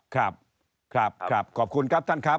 ครับครับขอบคุณครับท่านครับ